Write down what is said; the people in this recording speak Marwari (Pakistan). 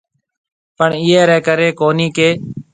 پڻ اِيئي رَي ڪري ڪونھيَََ ڪہ